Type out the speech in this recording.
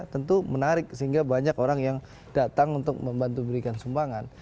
tentu menarik sehingga banyak orang yang datang untuk membantu berikan sumbangan